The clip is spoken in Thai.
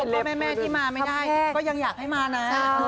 แม่ที่มาไม่ได้ก็ยังอยากให้มานะ